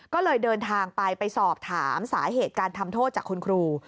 ก็เลยเดินทางไปไปสอบถามสาเหตุการทำโทษจากคุณครู